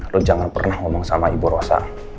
lo jangan pernah ngomong sama ibu rosa